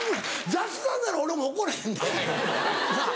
雑談なら俺も怒らへんでなぁ。